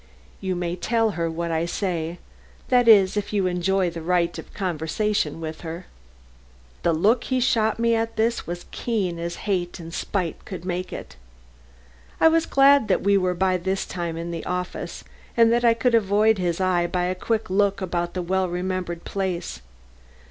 You may tell her what I say that is, if you enjoy the right of conversation with her." The look he shot me at this was keen as hate and spite could make it. I was glad that we were by this time in the office, and that I could avoid his eye by a quick look about the well remembered place.